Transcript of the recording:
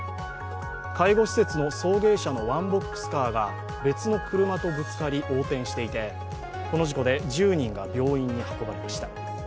介護施設の送迎車のワンボックスカーが別の車とぶつかり横転していてこの事故で１０人が病院に運ばれました。